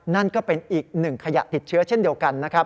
นั่นก็เป็นอีกหนึ่งขยะติดเชื้อเช่นเดียวกันนะครับ